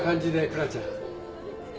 クラちゃん。